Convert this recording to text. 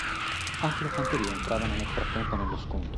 Anche le fanterie entravano nel frattempo nello scontro.